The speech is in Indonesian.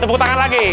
tepuk tangan lagi